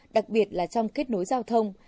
đặc biệt là trong kết nối giao thông